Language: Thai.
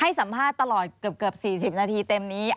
สัมภาษณ์ตลอดเกือบ๔๐นาทีเต็มนี้